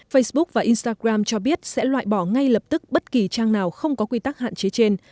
facebook và instagram cho biết sẽ loại bỏ ngay lập tức bất kỳ trang nào không có quy tắc hạn chế trên